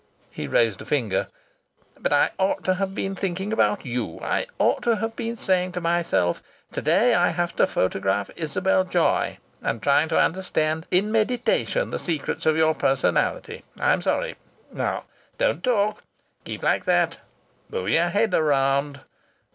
He raised a finger. "But I ought to have been thinking about you. I ought to have been saying to myself, 'To day I have to photograph Isabel Joy,' and trying to understand in meditation the secrets of your personality. I'm sorry! Now, don't talk. Keep like that. Move your head round.